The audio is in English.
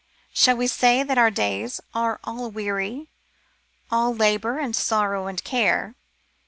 Shall we say that our days are all weary ? All labour, and sorrow, and care.